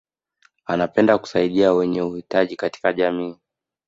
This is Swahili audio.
anapenda kusaidia wenye uhitaji katika jamii